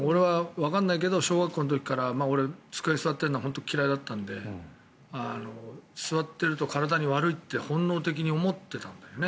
俺は小学校の時から机に座っているのが嫌いだったので座ってると体に悪いって本能的に思ってたんだよね。